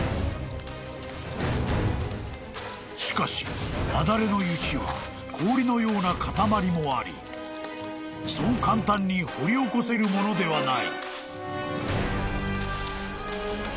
［しかし雪崩の雪は氷のような塊もありそう簡単に掘り起こせるものではない］